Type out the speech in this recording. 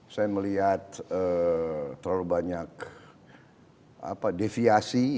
saya melihat terlalu banyak deviasi